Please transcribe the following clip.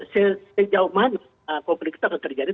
sejauh mana konflik itu akan terjadi